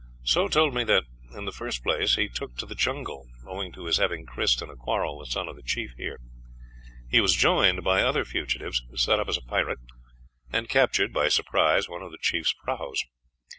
Soh told me that, in the first place, he took to the jungle, owing to his having krised in a quarrel the son of the chief here. He was joined by other fugitives, set up as a pirate, and captured by surprise one of the chief's prahus.